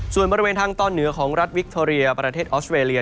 ส่วนบริเวณทางตอนเหนือของรัฐวิคโทเรียประเทศออสเวรีย